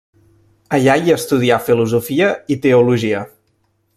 Allà hi estudià filosofia i teologia.